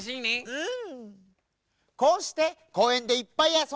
うん！